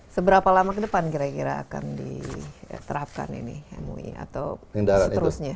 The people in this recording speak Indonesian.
seberapa lama ke depan kira kira akan diterapkan ini mui atau seterusnya